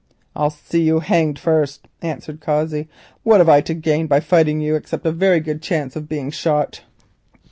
"I'll see you hanged first," answered Cossey. "What have I to gain by fighting you except a very good chance of being shot?